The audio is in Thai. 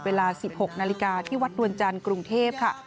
เวลา๑๖นาฬิกาที่วัดดวนจันทร์กรุงเทพค่ะ